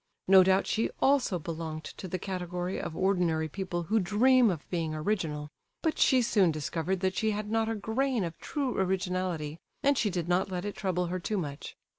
No doubt she also belonged to the category of ordinary people who dream of being original, but she soon discovered that she had not a grain of true originality, and she did not let it trouble her too much.